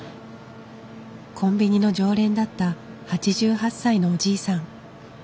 コンビニの常連だった８８歳のおじいさん。